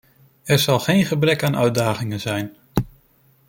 Er zal geen gebrek aan uitdagingen zijn.